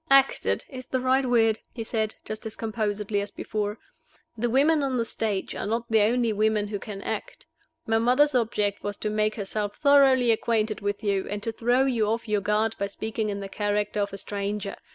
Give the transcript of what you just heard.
"'Acted' is the right word," he said, just as composedly as before. "The women on the stage are not the only women who can act. My mother's object was to make herself thoroughly acquainted with you, and to throw you off your guard by speaking in the character of a stranger.